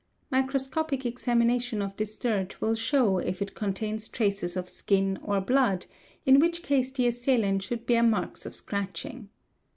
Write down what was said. Microscopic examination of this dirt will show if it contains traces of skin or blood; in which case the assailant should bear marks of scratching.